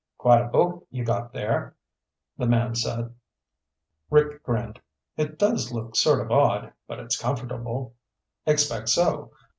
"Quite a boat you got there," the man said. Rick grinned. "It does look sort of odd, but it's comfortable." "Expect so.